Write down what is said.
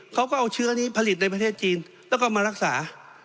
เขาก็เอาเชื้อนี้ผลิตในประเทศจีนแล้วก็มารักษา